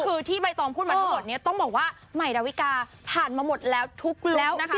คนพูดหมายของหมดเนี้ยต้องบอกว่าไหมดาวิกาผ่านมาหมดแล้วทุกลบนะครับ